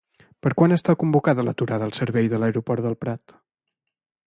Per quan està convocada l'aturada del servei a l'aeroport del Prat?